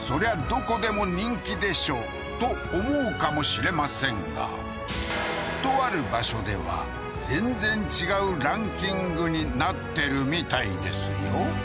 どこでも人気でしょと思うかもしれませんがとある場所では全然違うランキングになってるみたいですよ